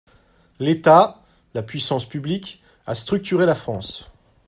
L’État – la puissance publique – a structuré la France.